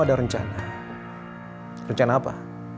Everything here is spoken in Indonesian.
sakti bukan kamu